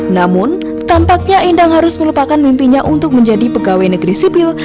namun tampaknya endang harus melupakan mimpinya untuk menjadi pegawai negeri sipil